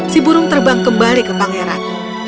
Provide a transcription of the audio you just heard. si burung terbang kembali ke pangeran